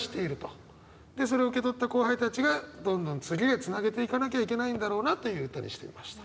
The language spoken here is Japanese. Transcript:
それを受け取った後輩たちがどんどん次へつなげていかなきゃいけないんだろうなという歌にしてみました。